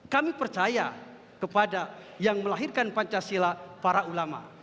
kami percaya kepada yang melahirkan pancasila para ulama